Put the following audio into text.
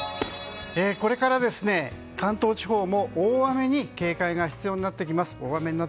これから関東地方も大雨に警戒が必要になってきます。